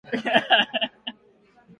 Kuwaondoa wanajeshi mia saba wa kikosi maalum